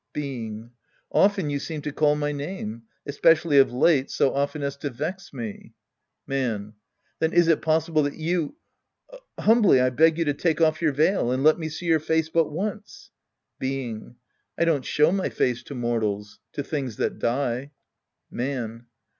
Being. Often you seem to call my name. Espe cially of late, so often as to vex me. t Man. Then is it possible that you —. Humbly I beg you to take off your veil and let me see 3raur fece but once. Being. I don't show my face to mortals. To things that die. Man.